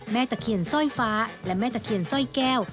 ตะเคียนสร้อยฟ้าและแม่ตะเคียนสร้อยแก้ว